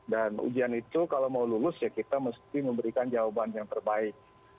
dan ujian itu kalau mau lulus ya kita mesti memberikan jawaban yang terbaik